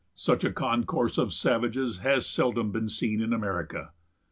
Such a concourse of savages has seldom been seen in America.